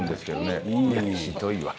ひどいわ。